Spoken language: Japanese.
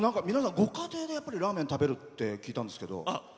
ご家庭でラーメン食べるって聞いたんですけど。